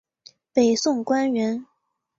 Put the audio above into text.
北宋官员。